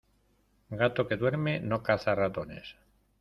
Gato que duerme no caza ratones.